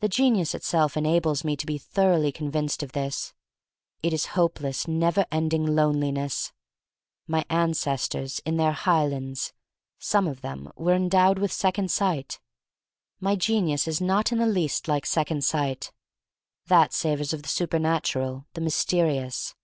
The genius itself enables me to be thoroughly convinced of this. It is hopeless, never ending loneli ness! My ancestors in their Highlands — some of them — ^were endowed with second sight. My genius is not in the least like second sight. That savors of the supernatural, the mysterious.